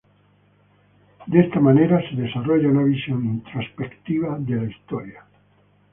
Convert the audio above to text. De esta manera se desarrolla una visión introspectiva de la historia.